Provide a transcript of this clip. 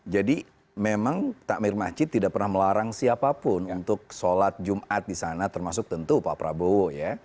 jadi memang takmir masjid tidak pernah melarang siapapun untuk sholat jumat di sana termasuk tentu pak prabowo